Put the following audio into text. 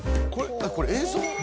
これ映像？